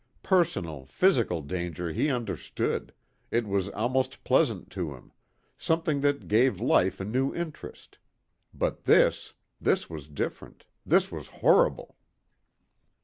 Personal, physical danger he understood, it was almost pleasant to him, something that gave life a new interest. But this this was different, this was horrible.